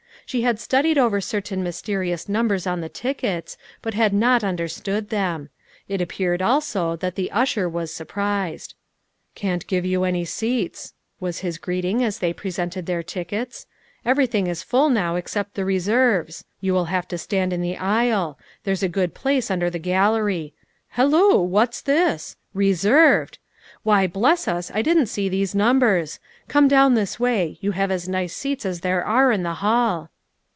She had studied over certain mysterious numbers on the tickets, but had not understood them. It appeared also that the usher was surprised. " Can't give you any seats," was his greeting as they presented their tickets. " Everything is full now except the reserves ; you'll have to stand in the aisle ; there's a good place under the gallery. Halloo ! What's this ? Reserved ! Why, bless us, I didn't see these numbers. Come down this way ; you have as nice seats as there are in the hall."